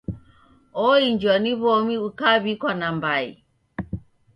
Oinjwa ni w'omi ukaw'ikwa nambai.